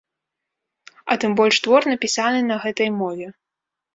А тым больш твор, напісаны на гэтай мове.